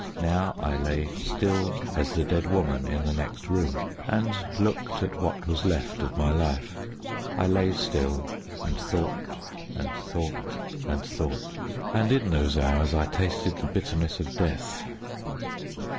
Now I lay still as the dead woman in the next room, and looked at what was left of my life. I lay still, and thought, and thought, and thought. And in those hours I tasted the bitterness of death.